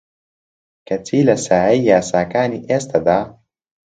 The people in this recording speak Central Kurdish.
کەچی لە سایەی یاساکانی ئێستەدا